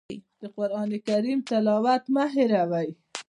د قرآن کریم تلاوت مه هېروئ.